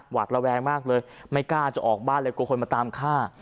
หวาดระแวงมากเลยไม่กล้าจะออกบ้านเลยกลัวคนมาตามฆ่า